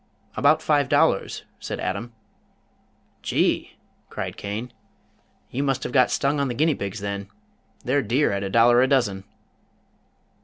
"About five dollars," said Adam. "Gee!" cried Cain. "You must have got stung on the guinea pigs, then. They're dear at a dollar a dozen."